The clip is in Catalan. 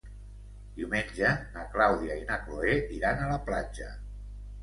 Diumenge na Clàudia i na Cloè iran a la platja.